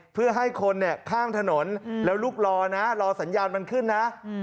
เพื่อให้คนเนี่ยข้ามถนนแล้วลูกรอนะรอสัญญาณมันขึ้นนะ